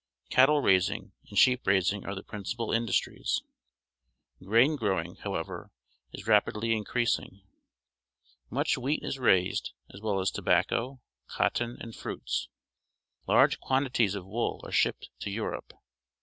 Cattle raising and sheep raising are the principal industries. Grain growing, how ever, is rapidly increasing. Much wheat is raised, as well as tobacco, cotton, and fruits. Large quantities of wool are shipped to Europe.